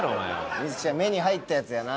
充希ちゃん目に入ったやつやな。